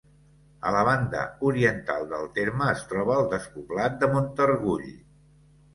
A la banda oriental del terme es troba el despoblat de Montargull.